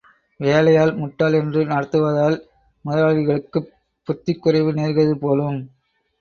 வேலையாள் முட்டாள் என்று நடத்துவதால் முதலாளிகளுக்கும் புத்திக் குறைவு நேர்கிறது போலும்.